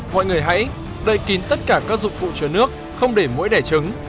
mọi người hãy đậy kín tất cả các dụng cụ chứa nước không để mũi đẻ trứng